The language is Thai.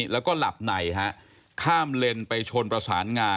แล้วก็หลับในฮะข้ามเลนไปชนประสานงา